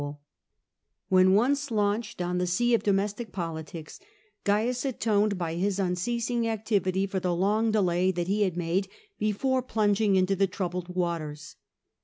THE CHARACTER OF CAIUS 55 Wien once launched on the sea of domestic politics, Cains atoned by his unceasing activity for the long delay that he had made before plunging into the troubled waters.